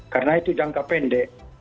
karena itu jangka pendek